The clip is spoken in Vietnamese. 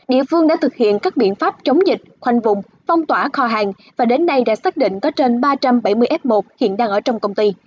địa phương đã thực hiện các biện pháp chống dịch khoanh vùng phong tỏa kho hàng và đến nay đã xác định có trên ba trăm bảy mươi f một hiện đang ở trong công ty